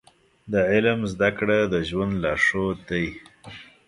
د علم زده کړه د ژوند لارښود دی.